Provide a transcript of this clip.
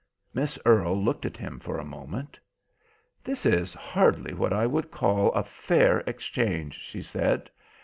Miss Earle looked at him for a moment. "This is hardly what I would call a fair exchange," she said.